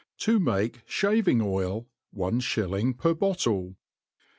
To maki Shaving OiL ^ One Shilling per Bottle.